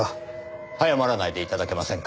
早まらないで頂けませんか。